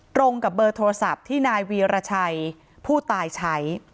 ตรงกับเบอร์โทรศัพท์ที่นายวีรชัยผู้ตายใช้